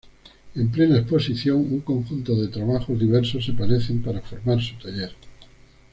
En plena exposición, un conjunto de trabajos diversos se parecen para formar su taller.